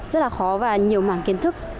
rất là khó và nhiều mảng kiến thức